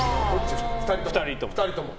２人とも。